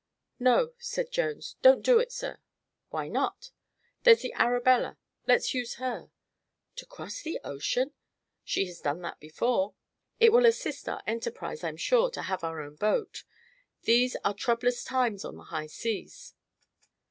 "No," said Jones, "don't do it, sir." "Why not?" "There's the Arabella. Let's use her." "To cross the ocean?" "She has done that before. It will assist our enterprise, I'm sure, to have our own boat. These are troublous times on the high seas."